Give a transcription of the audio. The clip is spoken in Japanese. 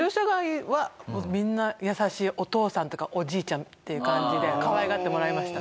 お父さんとかおじいちゃんっていう感じでかわいがってもらいました。